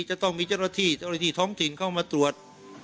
จะต้องมีเจ้าหน้าที่ท้องถิ่นเข้ามาตรวจ